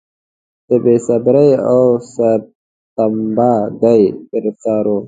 د بې صبرۍ او سرتمبه ګۍ ګرفتار و.